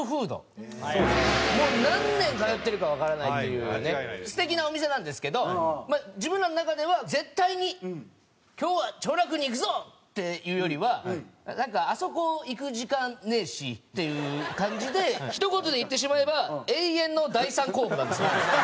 もう何年通ってるかわからないというね素敵なお店なんですけどまあ自分らの中では絶対に今日は兆楽に行くぞ！っていうよりはなんかあそこ行く時間ねえしっていう感じでひと言で言ってしまえば永遠の第３候補なんですよ。